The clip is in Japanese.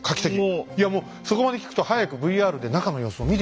いやもうそこまで聞くと早くＶＲで中の様子を見てみたいですね。